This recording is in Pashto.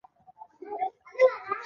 د پاریس ښار یې مرکز وټاکه.